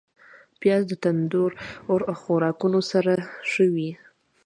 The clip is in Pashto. پیاز د تندور خوراکونو سره ښه وي